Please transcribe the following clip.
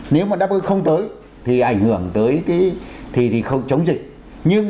nếu mà đáp được không tới thì ảnh hưởng tới cái thì thì không chống dịch